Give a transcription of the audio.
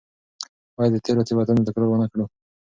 باید د تېرو تېروتنو تکرار ونه کړو.